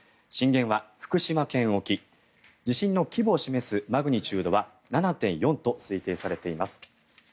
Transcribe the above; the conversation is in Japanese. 震源は福島県沖地震の規模を示すマグニチュードは７．４と推定されています。